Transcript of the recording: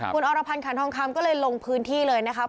คุณอรพันธ์ขันทองคำก็เลยลงพื้นที่เลยนะคะ